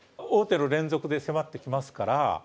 王手の連続で迫ってきますから。